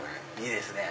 いいですね。